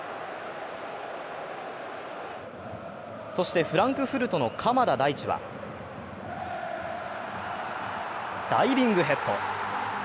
そして、フランクフルトの鎌田大地はダイビングヘッド。